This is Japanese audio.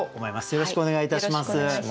よろしくお願いします。